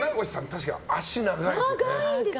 確かに脚長いですよね。